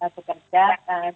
persoalan pekerja rumah tangga ini